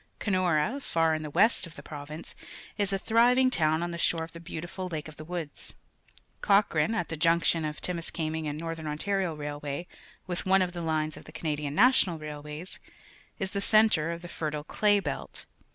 Kenora, far in the west of the province, is a thriving town on the shore of the beautiful Lake of the Woods. Cochrane, at the junction of the Timiskaming and Northern Ontario Rail way with one of the lines of the Canadian National Railways, is the centre of the fertile Clay Belt.